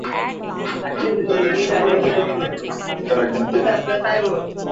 দলের সফলতায় গুরুত্বপূর্ণ ভূমিকা রাখেন তিনি।